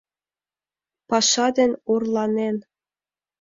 Паша ден орланен